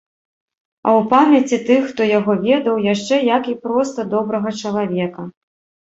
А ў памяці тых, хто яго ведаў, яшчэ як і проста добрага чалавека.